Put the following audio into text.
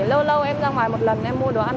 lâu lâu em ra ngoài một lần em mua đồ ăn